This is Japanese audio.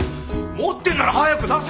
持ってんなら早く出せよ。